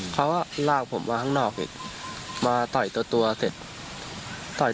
เขาลากผมมาข้างนอกอีกมาต่อยตัวตัวเสร็จต่อย